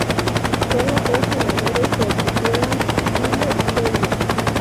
Sólo dos senadores se opusieron, Curio y Celio.